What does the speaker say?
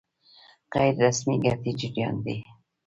غیر رسمي ګټې جريان دي.